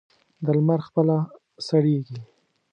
د لمر خپله سړېږي.